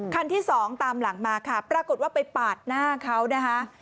คันที่สองตามหลังมาค่ะปรากฏว่าไปปาดหน้าเขานะคะ